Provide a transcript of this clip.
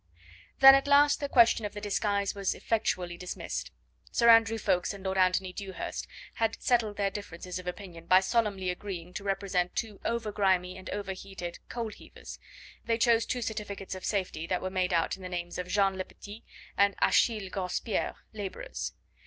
Then at last the question of the disguise was effectually dismissed. Sir Andrew Ffoulkes and Lord Anthony Dewhurst had settled their differences of opinion by solemnly agreeing to represent two over grimy and overheated coal heavers. They chose two certificates of safety that were made out in the names of Jean Lepetit and Achille Grospierre, labourers.